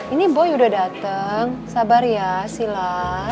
ini boy udah datang sabar ya sila